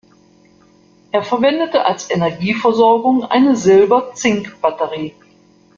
Er verwendete als Energieversorgung eine Silber-Zink Batterie.